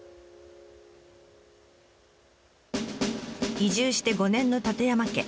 移住して５年の舘山家。